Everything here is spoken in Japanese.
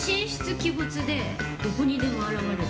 鬼没でどこにでも現れる。